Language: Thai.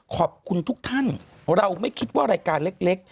ขอบคุณทุกท่านเราไม่คิดว่ารายการเล็ก